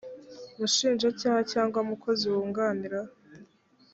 mushinjacyaha cyangwa umukozi wunganira